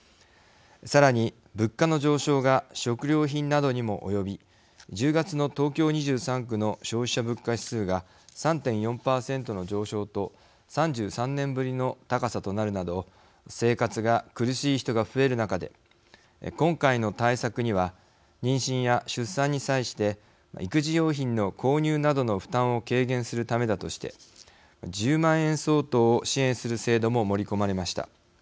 さらに、物価の上昇が食料品などにも及び１０月の東京２３区の消費者物価指数が３．４％の上昇と３３年ぶりの高さとなるなど生活が苦しい人が増える中で今回の対策には妊娠や出産に際して育児用品の購入などの負担を軽減するためだとして１０万円相当を支援する制度も盛り込まれました。